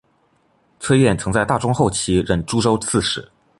崔彦曾在大中后期任诸州刺史。